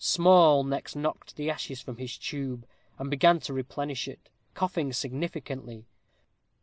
Small next knocked the ashes from his tube, and began to replenish it, coughing significantly.